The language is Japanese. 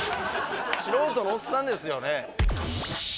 素人のおっさんですよね？